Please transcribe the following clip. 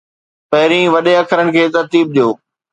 پهرين وڏي اکرن کي ترتيب ڏيو